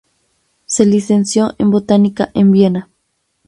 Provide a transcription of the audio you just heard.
Se licenció en botánica en Viena.